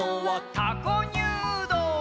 「たこにゅうどう」